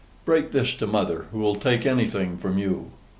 Break this to mother, who'll take anything from YOU.